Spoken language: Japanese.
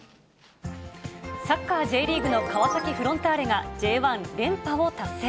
サッカーＪリーグの川崎フロンターレが、Ｊ１連覇を達成。